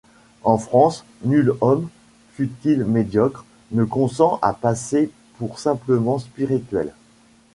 En France, nul homme, fût-il médiocre, ne consent à passer pour simplement spirituel.